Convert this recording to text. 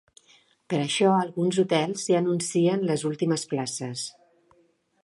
Per això alguns hotels ja anuncien les últimes places.